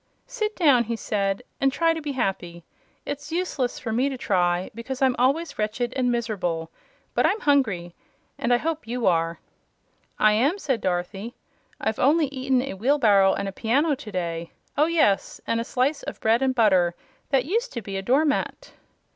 "Sit down," he said, "and try to be happy. It's useless for me to try, because I'm always wretched and miserable. But I'm hungry, and I hope you are." "I am," said Dorothy. "I've only eaten a wheelbarrow and a piano to day oh, yes! and a slice of bread and butter that used to be a door mat."